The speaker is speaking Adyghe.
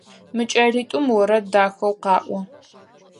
Мы кӏэлитӏум орэд дахэу къаӏо.